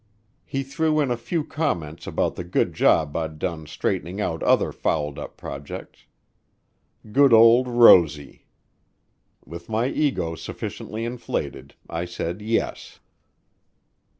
He threw in a few comments about the good job I'd done straightening out other fouled up projects. Good old "Rosy." With my ego sufficiently inflated, I said yes.